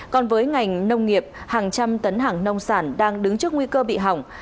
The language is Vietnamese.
còn với ngành nông nghiệp hàng trăm tấn hàng nông sản đang đứng trước nguy cơ bị hỏng